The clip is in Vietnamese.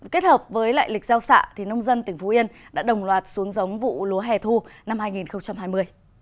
kết hợp với lịch giao xạ nông dân tỉnh phú yên đã đồng loạt xuống giống vụ lúa hè thu năm hai nghìn hai mươi